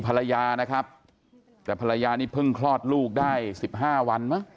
ภรรยานะครับแต่ภรรยานี่เพิ่งคลอดลูกได้สิบห้าวันมั้ง